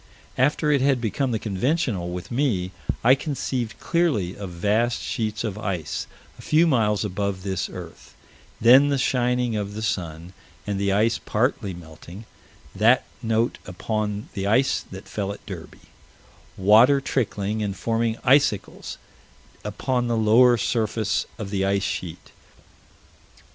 After it had become the conventional with me, I conceived clearly of vast sheets of ice, a few miles above this earth then the shining of the sun, and the ice partly melting that note upon the ice that fell at Derby water trickling and forming icicles upon the lower surface of the ice sheet.